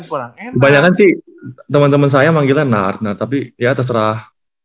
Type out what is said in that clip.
kebanyakan sih temen temen saya manggilnya nart nart tapi ya terserah